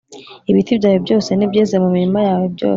Ibiti byawe byose n’ibyeze mu mirima yawe byose